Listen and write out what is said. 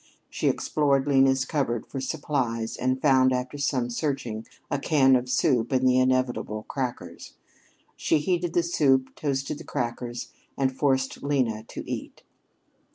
She explored Lena's cupboard for supplies, and found, after some searching, a can of soup and the inevitable crackers. She heated the soup, toasted the crackers, and forced Lena to eat.